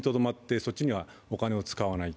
そっちにはお金を使わない。